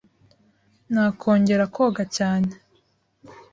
ntakongera koga cyane.